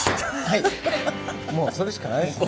もうそれしかないですね。